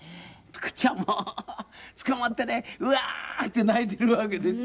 こっちはもうつかまってね「うわー！」って泣いているわけですよ。